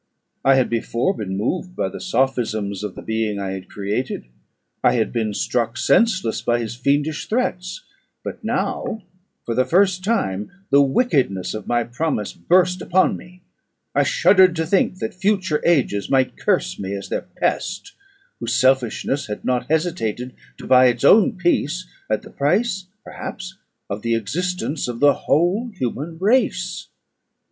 I had before been moved by the sophisms of the being I had created; I had been struck senseless by his fiendish threats: but now, for the first time, the wickedness of my promise burst upon me; I shuddered to think that future ages might curse me as their pest, whose selfishness had not hesitated to buy its own peace at the price, perhaps, of the existence of the whole human race.